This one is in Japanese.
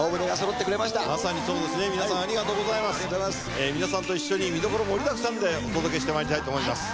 え皆さんと一緒に見どころ盛りだくさんでお届けしてまいりたいと思います。